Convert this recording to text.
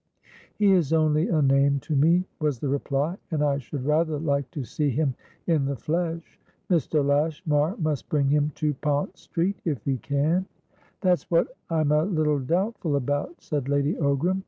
"He is only a name to me," was the reply, "and I should rather like to see him in the flesh. Mr. Lashmar must bring him to Pont Streetif he can." "That's what I'm a little doubtful about," said Lady Ogram.